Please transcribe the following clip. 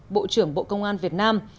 bộ trưởng bộ công an việt nam